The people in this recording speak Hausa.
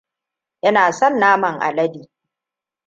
Ina son naman alade!